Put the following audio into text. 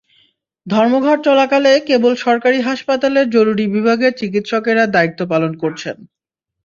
ধর্মঘট চলাকালে কেবল সরকারি হাসপাতালের জরুরি বিভাগের চিকিত্সকেরা দায়িত্ব পালন করছেন।